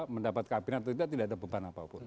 mendapat kabinet tidak ada beban apapun